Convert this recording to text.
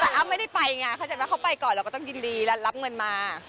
แต่อัพไม่ได้ไปไงเข้าไปก่อนเราก็ต้องยินดีแล้วรับเงินมา